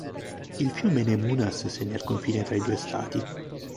Il fiume Nemunas segna il confine tra i due Stati.